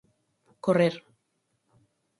Correr.